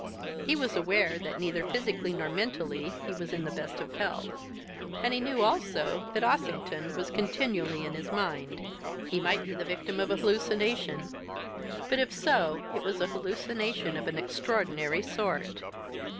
He was aware that, neither physically nor mentally, was he in the best of health, and he knew also that Ossington was continually in his mind. He might be the victim of hallucination; but if so, it was hallucination of an extraordinary sort.